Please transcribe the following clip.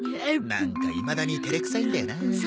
なんかいまだに照れくさいんだよなあ。